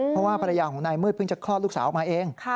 เพราะว่าภรรยาของนายมืดเพิ่งจะคลอดลูกสาวออกมาเอง